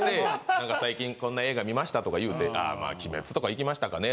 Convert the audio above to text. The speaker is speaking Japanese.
「なんか最近こんな映画みました」とか言うて「あまあ『鬼滅』とか行きましたかね」